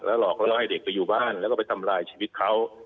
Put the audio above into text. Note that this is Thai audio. หลอกล่อให้เด็กไปอยู่บ้านแล้วก็ไปทำลายชีวิตเขา